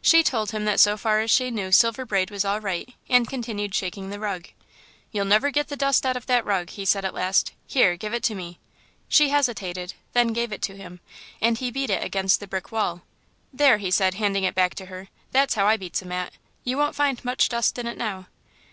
She told him that so far as she knew Silver Braid was all right, and continued shaking the rug. "You'll never get the dust out of that rug," he said at last, "here, give it to me." She hesitated, then gave it him, and he beat it against the brick wall. "There," he said, handing it back to her, "that's how I beats a mat; you won't find much dust in it now."